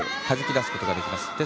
弾き出すことができます。